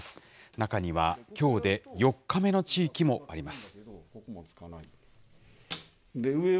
中には、きょうで４日目の地域もあります。